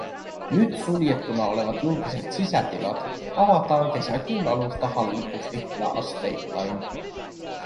Nyt suljettuna olevat julkiset sisätilat avataan kesäkuun alusta hallitusti ja asteittain.